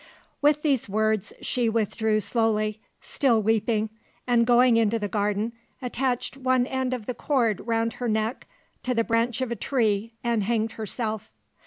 With these words she withdrew slowly, still weeping, and going into the garden, attached one end of the cord round her neck to the branch of a tree, and hanged herself.